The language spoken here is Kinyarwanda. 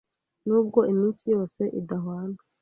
nubwo iminsi yose idahwana.